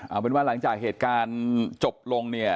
เอาเป็นว่าหลังจากเหตุการณ์จบลงเนี่ย